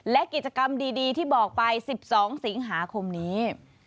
และกิจกรรมดีที่บอกไป๑๒สิงหาคมนี้